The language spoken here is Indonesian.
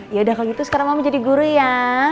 yaudah kalo gitu sekarang mama jadi guru ya